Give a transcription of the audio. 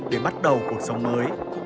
để bắt đầu cuộc sống mới